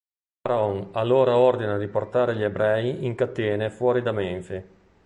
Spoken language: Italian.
Pharaon allora ordina di portare gli ebrei in catene fuori da Menfi.